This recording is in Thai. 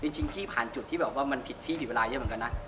จริงพี่ผ่านจุดที่แบบว่ามันผิดพี่ผิดเวลาเยอะเหมือนกันนะ